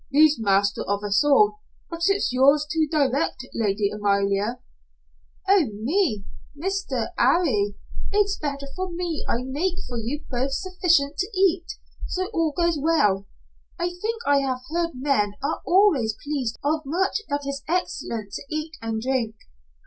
"He's master of us all, but it's yours to direct, Lady Amalia." "Oh, me, Mr. 'Arry. It is better for me I make for you both sufficient to eat, so all goes well. I think I have heard men are always pleased of much that is excellent to eat and drink."